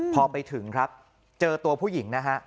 พอไปถึงครับเจอตัวผู้หญิงนะฮะ